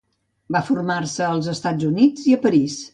Va formar-se als Estats Units i a París.